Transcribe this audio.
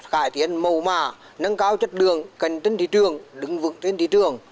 cải tiến màu mà nâng cao chất lượng cẩn thận thị trường đứng vững trên thị trường